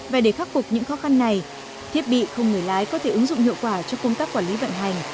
và để khắc phục những khó khăn này thiết bị không người lái có thể ứng dụng hiệu quả cho công tác quản lý vận hành